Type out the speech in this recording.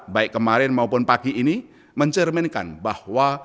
baik kemarin maupun pagi ini mencerminkan bahwa